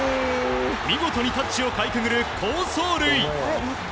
見事にタッチをかいくぐる好走塁。